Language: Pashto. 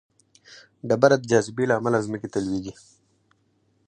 ډبره د جاذبې له امله ځمکې ته لویږي.